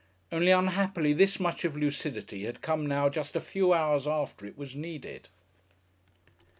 Only unhappily this much of lucidity had come now just a few hours after it was needed.